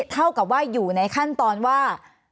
เท่ากับว่าอยู่ในขั้นตอนว่า